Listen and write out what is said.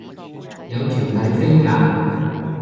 有團體飛價